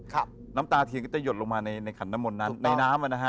ครับน้ำตาเทียนก็จะหยดลงมาในขันน้ำมนต์นั้นในน้ำนั้นแล้วนะฮะ